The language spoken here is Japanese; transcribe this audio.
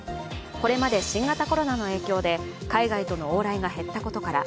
これまで新型コロナの影響で海外との往来が減ったことから